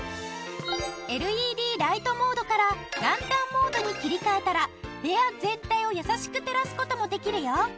ＬＥＤライトモードからランタンモードに切り替えたら部屋全体を優しく照らす事もできるよ。